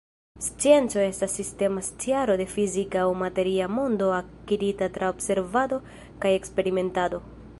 Scienco estas sistema sciaro de fizika aŭ materia mondo akirita tra observado kaj eksperimentado.